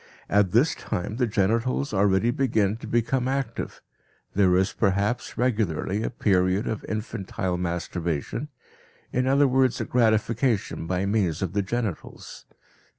At this time the genitals already begin to become active; there is perhaps regularly a period of infantile masturbation, in other words, a gratification by means of the genitals.